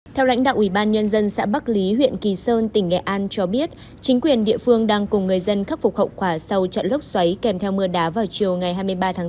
theo lãnh đạo ủy ban nhân dân xã bắc lý huyện kỳ sơn tỉnh nghệ an cho biết chính quyền địa phương đang cùng người dân khắc phục hậu quả sau trận lốc xoáy kèm theo mưa đá vào chiều ngày hai mươi ba tháng bốn